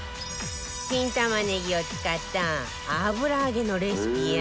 新玉ねぎを使った油揚げのレシピや